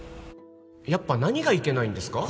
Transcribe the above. やっぱ何がいけないんですか？